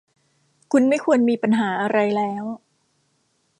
คุณไม่ควรมีปัญหาอะไรแล้ว